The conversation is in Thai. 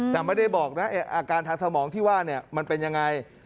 แต่ไม่ได้บอกนะอาการทางสมองที่ว่ามันเป็นยังไง